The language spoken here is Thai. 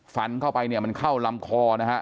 ฟันเข้าไปเนี่ยมันเข้าลำคอนะฮะ